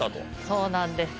そうなんです